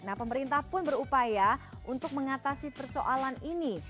nah pemerintah pun berupaya untuk mengatasi persoalan ini